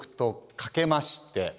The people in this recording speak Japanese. かけまして。